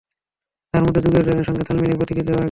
তাঁর মতে, যুগের সঙ্গে তাল মিলিয়ে প্রতীক দেওয়া গেলে ভালো হয়।